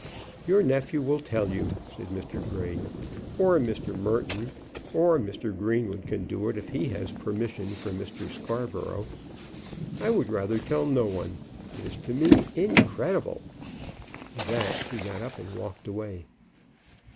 "Your nephew will tell you," said Mr. Grey, "or Mr. Merton; or Mr. Greenwood can do so, if he has permission from Mr. Scarborough. I would rather tell no one. It is to me incredible." With that he got up and walked away.